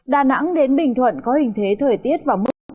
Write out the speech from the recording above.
đà nẵng đến bình thuận có hình thế thời tiết và mức